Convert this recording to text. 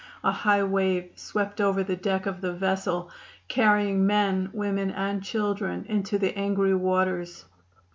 A high wave swept over the deck of the vessel, carrying men, women and children into the angry waters.